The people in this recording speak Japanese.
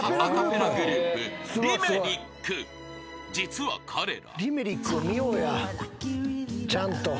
［実は彼ら］